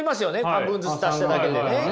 半分ずつ足しただけでね。